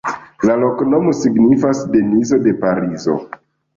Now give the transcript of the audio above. La loknomo signifas: Denizo de Parizo.